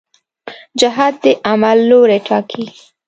جهت د عمل لوری ټاکي.